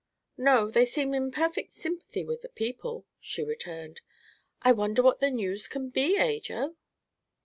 "No; they seem in perfect sympathy with the people," she returned. "I wonder what the news can be, Ajo."